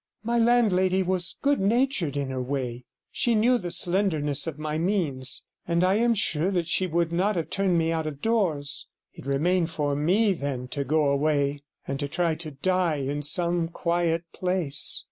My landlady was good natured in her way; she knew the slenderness of my means, and I am sure that she would not have turned me out of doors; it remained for me then to go away, and to try to die in some quiet place.